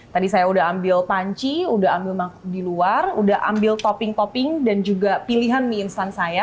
tadi saya udah ambil panci udah ambil di luar udah ambil topping topping dan juga pilihan mie instan saya